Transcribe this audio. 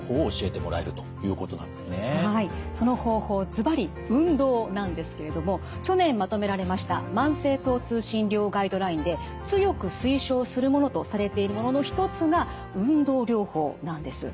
その方法ずばり運動なんですけれども去年まとめられました慢性疼痛診療ガイドラインで強く推奨するものとされているものの一つが運動療法なんです。